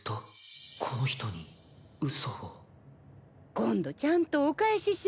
今度ちゃんとお返ししなきゃ。